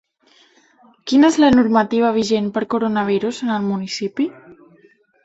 Quina és la normativa vigent per coronavirus en el municipi?